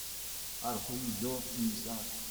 Alc'hwez dor ti ma zad.